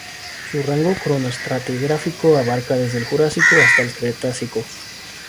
Su rango cronoestratigráfico abarcaba desde el Jurásico hasta el Cretácico.